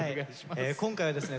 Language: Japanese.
今回はですね